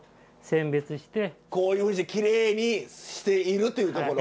こういうふうにしてきれいにしているというところ。